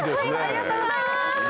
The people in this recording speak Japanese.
ありがとうございます。